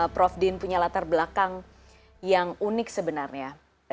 prof din punya latar belakang yang unik sebenarnya